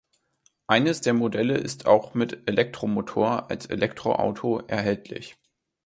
Eines der Modelle ist auch mit Elektromotor als Elektroauto erhältlich.